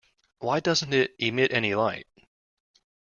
Why doesn't it emit any light?